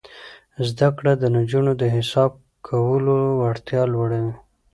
زده کړه د نجونو د حساب کولو وړتیا لوړوي.